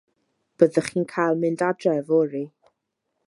Byddwch chi'n cael mynd adre yfory.